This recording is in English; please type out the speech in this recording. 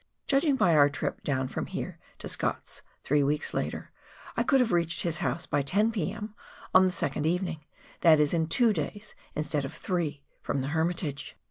Judging by our trip down from here to Scott's, three weeks later, I could have reached his house by 10 p.m. on the second evening, that is in two days, instead of three, from the Hermitage.